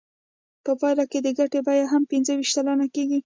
په پایله کې د ګټې بیه هم پنځه ویشت سلنه کېږي